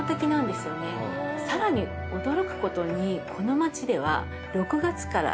さらに驚くことにこの町では。